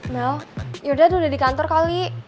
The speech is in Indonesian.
mel your dad udah di kantor kali